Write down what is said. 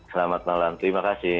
selamat malam terima kasih